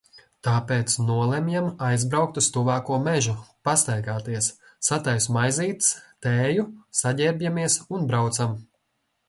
Tāpēc nolemjam aizbraukt uz tuvāko mežu, pastaigāties. Sataisu maizītes, tēju, saģērbjamies un braucam.